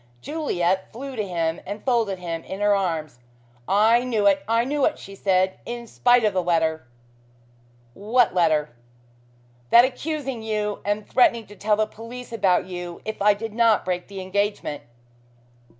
Juliet flew to him and folded him in her arms. "I knew it I knew it," she said, "in spite of the letter " "What letter?" "That accusing you and threatening to tell the police about you if I did not break the engagement."